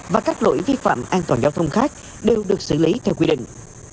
và các lỗi vi phạm an toàn giao thông khác đều được xử lý theo quy định